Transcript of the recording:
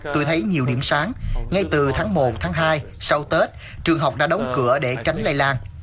tôi thấy nhiều điểm sáng ngay từ tháng một tháng hai sau tết trường học đã đóng cửa để tránh lây lan